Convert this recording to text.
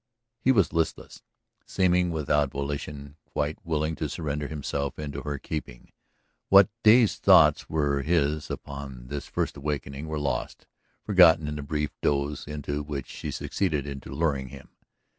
He was listless, seeming without volition, quite willing to surrender himself into her keeping. What dazed thoughts were his upon this first awakening were lost, forgotten in the brief doze into which she succeeded in luring him.